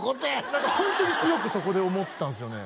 何かホントに強くそこで思ったんですよね